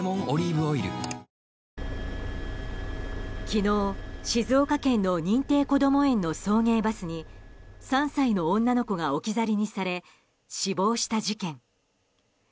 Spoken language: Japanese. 昨日、静岡県の認定こども園の送迎バスに３歳の女の子が置き去りにされ死亡した事件。